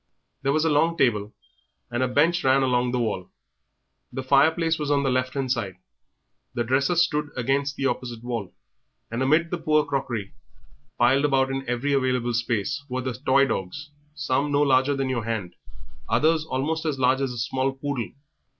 There was a long table and a bench ran along the wall. The fireplace was on the left hand side; the dresser stood against the opposite wall; and amid the poor crockery, piled about in every available space, were the toy dogs, some no larger than your hand, others almost as large as a small poodle.